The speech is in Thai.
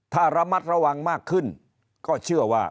ถ้าระมัดระวังมากขึ้นก็เชื่อว่า